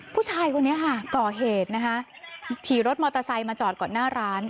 ผู้ชายคนนี้ค่ะก่อเหตุนะคะขี่รถมอเตอร์ไซค์มาจอดก่อนหน้าร้าน